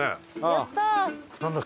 やったー！